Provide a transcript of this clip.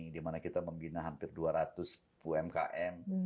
di mana kita membina hampir dua ratus umkm